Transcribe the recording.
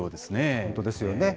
本当ですよね。